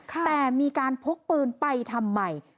แต่มีการพกปืนไปทำไม